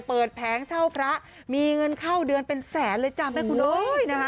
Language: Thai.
เปิดแผงเช่าพระมีเงินเข้าเดือนเป็นแสนเลยจ้ะแม่คุณ